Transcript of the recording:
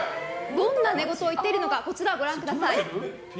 どんな寝言を言っているかご覧ください。